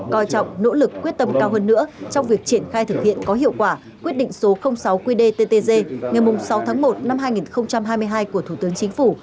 coi trọng nỗ lực quyết tâm cao hơn nữa trong việc triển khai thực hiện có hiệu quả quyết định số sáu qdttg ngày sáu tháng một năm hai nghìn hai mươi hai của thủ tướng chính phủ